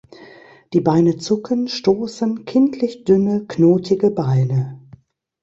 Die Beine zucken, stoßen, kindlich dünne, knotige Beine.